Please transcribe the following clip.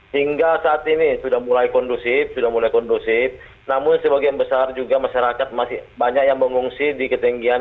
hingga saat ini sudah mulai kondusif sudah mulai kondusif namun sebagian besar juga masyarakat masih banyak yang mengungsi di ketinggian